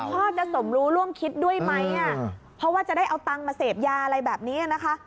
พ่อจะสมรู้ร่วมคิดด้วยไหมเพราะว่าจะได้เอาตังค์มาเสพยาอะไรแบบนี้นะคะ